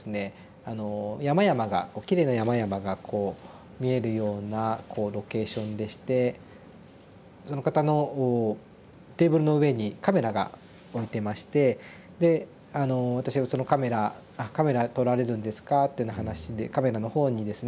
あの山々がきれいな山々がこう見えるようなこうロケーションでしてその方のテーブルの上にカメラが置いてましてで私がそのカメラ「あカメラ撮られるんですか」ってな話でカメラの方にですね